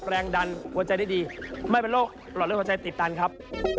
แรงดันหัวใจได้ดีไม่เป็นโรคหลอดเลือดหัวใจติดตันครับ